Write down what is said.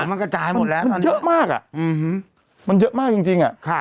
มันกระจายหมดแล้วมันเยอะมากอ่ะอืมฮืมมันเยอะมากจริงจริงอ่ะครับ